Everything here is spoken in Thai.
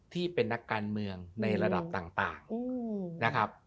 ที่เป็นนักการเมืองในระดับต่างนะครับ